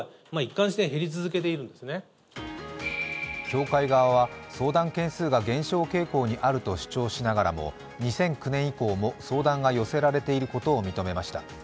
教会側は、相談件数が減少傾向にあると主張しながらも２００９年以降も相談が寄せられていることを認めました。